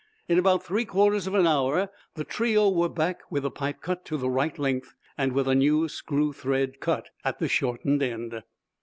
In about three quarters of an hour the trio were back, with the pipe cut to the right length, and with a new screw thread cut at the shortened end.